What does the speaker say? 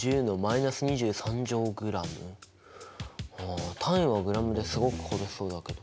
あ単位はｇですごく軽そうだけど。